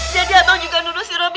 jadi abang juga nuduh si robi